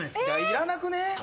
・いらなくねえ？